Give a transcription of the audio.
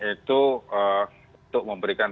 itu untuk memberikan